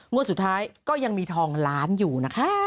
สุดท้ายก็ยังมีทองล้านอยู่นะคะ